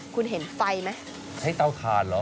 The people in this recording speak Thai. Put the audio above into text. คุณเห็นไฟไหมใช้เตาถ่านเหรอ